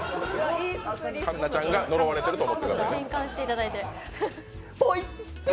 環奈さんが呪われてると思ってください。